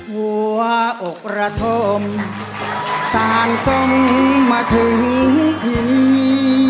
หัวอกระทมสารทรงมาถึงที่นี่